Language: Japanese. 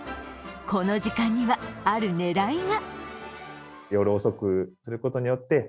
この時間には、ある狙いが。